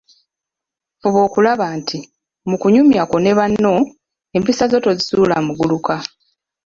Fuba okulaba nti, mu kunyumya kwo ne banno, empisa zo tozisuula mu guluka.